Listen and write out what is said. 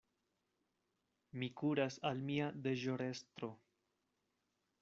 Mi kuras al mia deĵorestro.